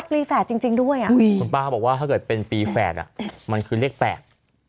ปรีแฝดจริงด้วยอ่ะคุณป้าบอกว่าถ้าเกิดเป็นปรีแฝดมันคือเรียกแฝด